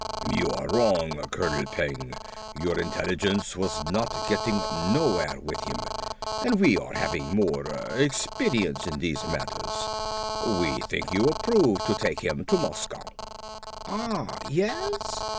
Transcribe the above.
"You are wrong Colonel Peng. Your intelligence was not getting nowhere with him and we are having more experience in these matters. We think you approve to take him to Moscow." "Ah. Yes?